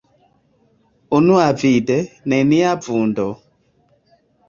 Unuavide, nenia vundo.